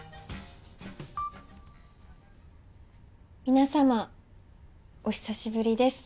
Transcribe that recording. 皆さまお久しぶりです。